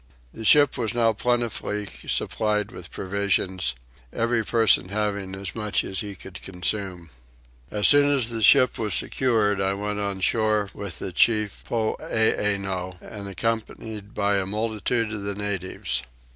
The ship was now plentifully supplied with provisions; every person having as much as he could consume. As soon as the ship was secured I went on shore with the chief Poeeno, and accompanied by a multitude of the natives.